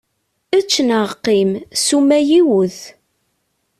Ečč neɣ qqim, ssuma yiwet.